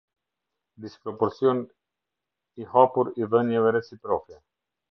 Disproporcionii hapur i dhënieve reciproke.